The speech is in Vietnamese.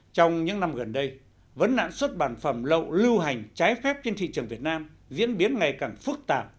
trong những năm gần đây vấn nạn xuất bản phẩm lậu lưu hành trái phép trên thị trường việt nam diễn biến ngày càng phức tạp